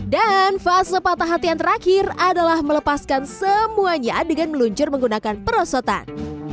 dan fase patah hati yang terakhir adalah melepaskan semuanya dengan meluncur menggunakan perosotan